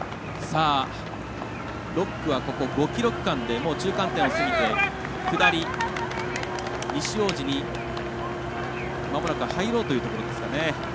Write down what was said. ６区は５ｋｍ区間で中間点を過ぎて下り、西大路にまもなく入ろうというところ。